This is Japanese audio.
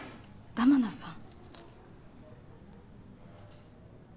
玉名さん？